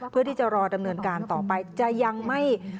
เพื่อที่จะรอดำเนินการต่อไป